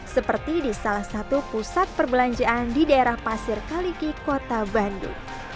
seperti di salah satu pusat perbelanjaan di daerah pasir kaliki kota bandung